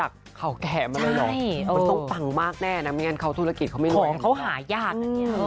คุณพร้อม